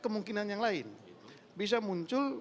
kemungkinan yang lain bisa muncul